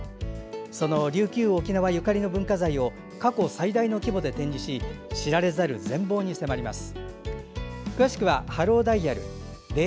その琉球・沖縄ゆかりの文化財を過去最大の規模で展示し知られざる全貌に迫ります。